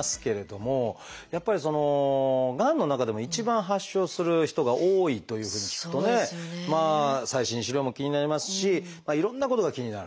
やっぱりがんの中でも一番発症する人が多いというふうに聞くとねまあ最新治療も気になりますしいろんなことが気になるっていうのはありますね。